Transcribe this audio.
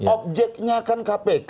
objeknya kan kpk